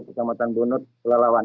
kecamatan bunut lelawan